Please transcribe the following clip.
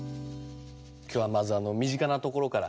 今日はまず身近なところから。